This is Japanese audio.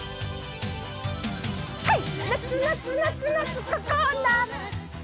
はい！